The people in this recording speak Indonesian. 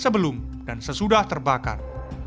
belum dan sesudah terbakar